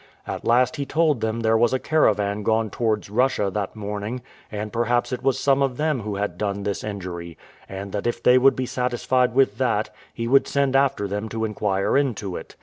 At last he told them there was a caravan gone towards Russia that morning, and perhaps it was some of them who had done them this injury; and that if they would be satisfied with that, he would send after them to inquire into it.